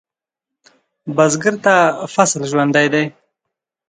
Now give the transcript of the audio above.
بزګر ته فصل ژوند دی